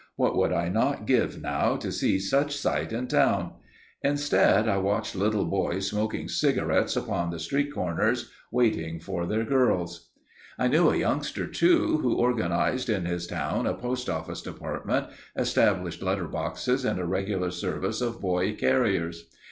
What would I not give, now, to see such sights in town! instead, I watch little boys smoking cigarettes upon the street corners, waiting for their girls. I knew a youngster, too, who organized in his town a postoffice department, established letter boxes and a regular service of boy carriers.